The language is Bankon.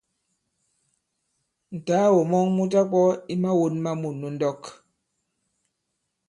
Ǹtàagò mɔn mu ta-kwɔ̄ i mawōn ma mût nu ndɔk.